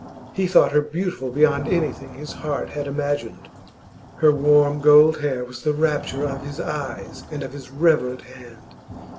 He thought her beautiful beyond anything his heart had imagined; her warm gold hair was the rapture of his eyes and of his reverent hand.